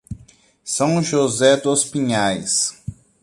São José Dos Pinhais